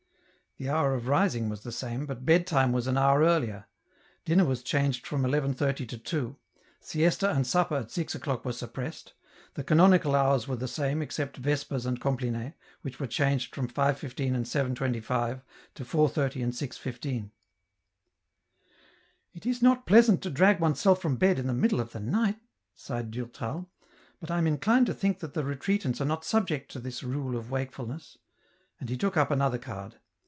The hour of rising was the same, but bed time was an hour earlier; dinner was changed from 11.30 to 2; siesta and supper at 6 o'clock were suppressed ; the canonical hours were the same, except vespers and compline, which were changed from 5.15 and 7.25 to 4.30 and 6.15. " It is not pleasant to drag oneself from bed in the middle of the night," sighed Durtal, " but I am inclined to think that the Retreatants are not subject to this rule of wakeful ness," and he took up another card.